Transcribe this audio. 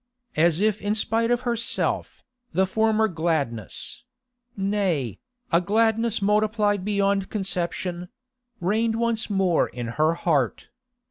As if in spite of herself, the former gladness—nay, a gladness multiplied beyond conception—reigned once more in her heart.